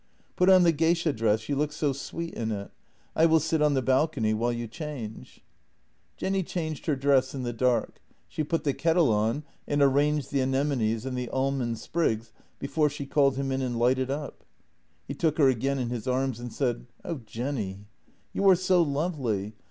" Put on the geisha dress; you look so sweet in it. I will sit on the balcony while you change." JENNY 107 Jenny changed her dress in the dark; she put the kettle on and arranged the anemones and the almond sprigs before she called him in and lighted up. He took her again in his arms and said: " Oh, Jenny, you are so lovely.